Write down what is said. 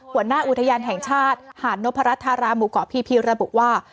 หัวหน้าอุทยานแห่งชาติหาดนพรัชธาราหมู่เกาะพีพีระบุว่า